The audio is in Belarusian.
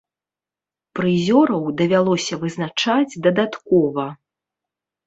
Прызёраў давялося вызначаць дадаткова.